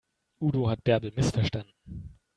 Udo hat Bärbel missverstanden.